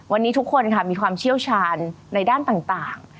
วันนี้ทุกคนค่ะมีความเชี่ยวชาญในด้านต่าง